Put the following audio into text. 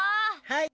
はい！